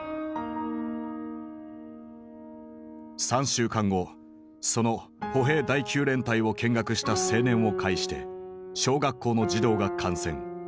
３週間後その歩兵第９連隊を見学した青年を介して小学校の児童が感染。